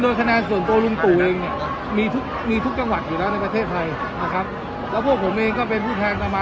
อยู่แล้วในประเทศไทยนะครับแล้วพวกผมเองก็เป็นผู้แทนต่อมา